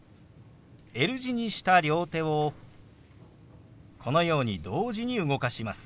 Ｌ字にした両手をこのように同時に動かします。